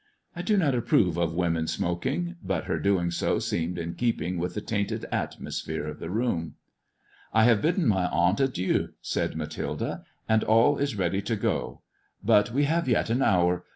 I do not approve of women smoking, but her doing so seemed in keeping with the tainted atmosphere of the room. " I have bidden my aunt adieu," said Mathilde, " and all MY COUSIN FROM FRANCE 379 is ready to go. But we have yet an hour.